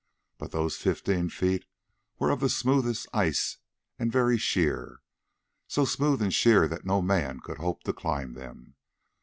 But those fifteen feet were of the smoothest ice and very sheer, so smooth and sheer that no man could hope to climb them.